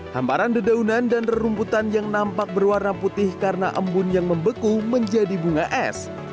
hamparan dedaunan dan rumputan yang nampak berwarna putih karena embun yang membeku menjadi bunga es